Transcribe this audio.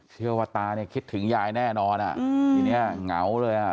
เชื่อว่าตาเนี่ยคิดถึงยายแน่นอนอ่ะทีนี้เหงาเลยอ่ะ